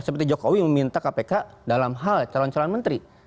seperti jokowi meminta kpk dalam hal calon calon menteri